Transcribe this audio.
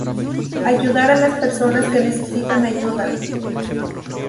Ayudar a las personas que necesitan ayuda.